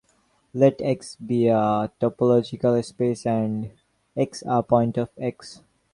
Let "X" be a topological space and "x" a point of "X".